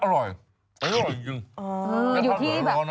อร่อยยินจริง